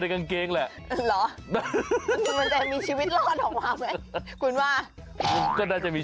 ทางอีกที